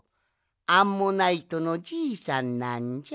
アンモナイトのじいさんなんじゃ。